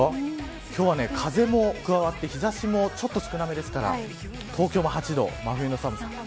今日は風も加わって日差しも少なめですから東京も８度、真冬の寒さ。